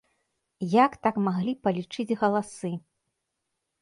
Як так маглі палічыць галасы?